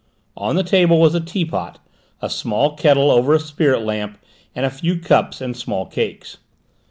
On the table was a tea pot, a small kettle over a spirit stove, and a few cups and small cakes.